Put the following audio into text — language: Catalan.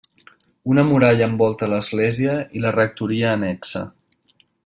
Una muralla envolta l'església i la rectoria annexa.